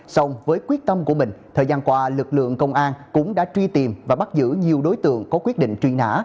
xong với quyết tâm của mình thời gian qua lực lượng công an cũng đã truy tìm và bắt giữ nhiều đối tượng có quyết định truy nã